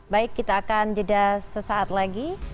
baik kita akan jeda sesaat lagi